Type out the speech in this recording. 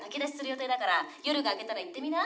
予定だから夜が明けたら行ってみな」